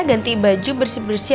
ganti baju bersih bersih